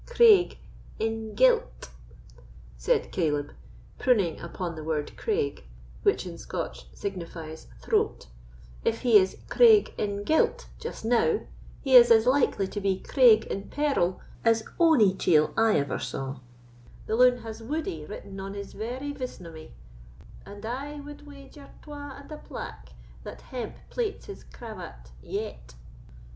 "Craig in guilt," said Caleb, punning upon the word craig, which in Scotch signifies throat; "if he is Craig in guilt just now, he is as likely to be Craig in peril as ony chield I ever saw; the loon has woodie written on his very visnomy, and I wad wager twa and a plack that hemp plaits his cravat yet."